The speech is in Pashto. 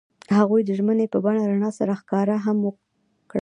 هغوی د ژمنې په بڼه رڼا سره ښکاره هم کړه.